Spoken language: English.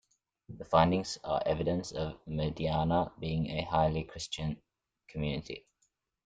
The findings are evidence of Mediana being a highly Christian community.